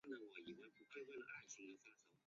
仁义镇为湖南省桂阳县所辖镇。